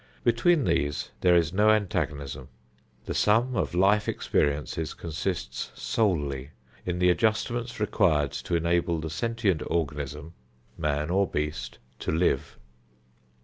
Between these there is no antagonism. The sum of life experiences consists solely in the adjustments required to enable the sentient organism man or beast to live.